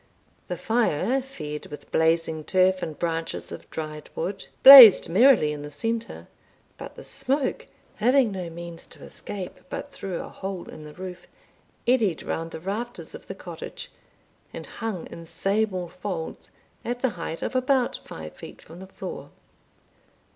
The fire, fed with blazing turf and branches of dried wood, blazed merrily in the centre; but the smoke, having no means to escape but through a hole in the roof, eddied round the rafters of the cottage, and hung in sable folds at the height of about five feet from the floor.